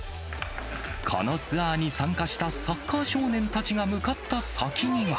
このツアーに参加したサッカー少年たちが向かった先には。